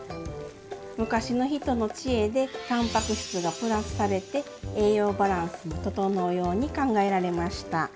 昔の人の知恵でたんばく質がプラスされて栄養バランスも調うように考えられました。